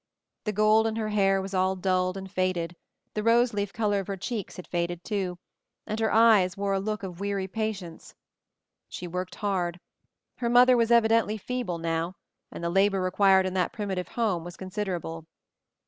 The gold in her hair was all dulled and faded, the rose leaf color of her cheeks had faded, too, and her blue eyes wore a look of weary patience. She worked hard. Her mother was evidently feeble now, and the labor required in that primitive home was considerable.